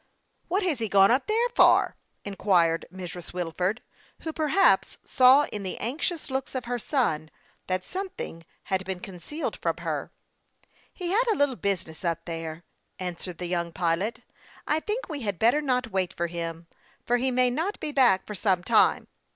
"What has he gone up there for?" inquired Mrs. Wilford, who ^perhaps saw in the anxious looks THE YOUNG PILOT OF LAKE CHAMPLAIN. 81 of her son that something had been concealed from her. " He had a little business up there," answered the young pilot. " I think we had better not wait for him, for he may not be back for some time.